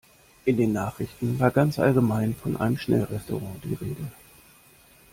In den Nachrichten war ganz allgemein von einem Schnellrestaurant die Rede.